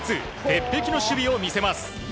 鉄壁の守備を見せます。